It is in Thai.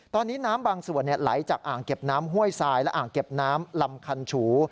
ตอนนี้น้ำบางส่วนไหลจากอ่างเก็บน้ำห้วยทรายและอ่างเก็บน้ำลำคันฉู